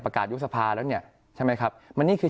ประกาดอยู่สภารณ์แล้วเนี่ยใช่ไหมครับมันนี่คือในฉนนคล